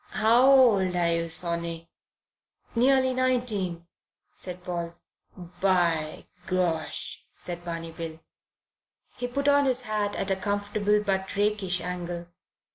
"How old are you, sonny?" "Nearly nineteen," said Paul. "By Gosh!" said Barney Bill. He put on his hat at a comfortable but rakish angle.